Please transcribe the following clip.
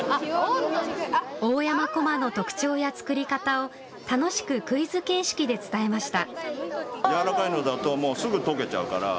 大山こまの特徴や作り方を楽しくクイズ形式で伝えました。